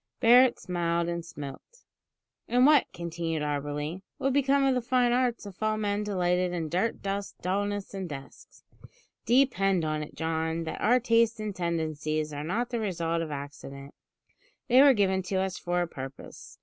Barret smiled and smoked. "And what," continued Auberly, "would become of the fine arts if all men delighted in dirt, dust, dullness, and desks? Depend upon it, John, that our tastes and tendencies are not the result of accident; they were given to us for a purpose.